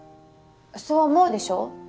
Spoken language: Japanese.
そう思うでしょ？